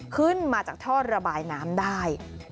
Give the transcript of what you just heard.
ขึ้นมาจากท่อระบายน้ำได้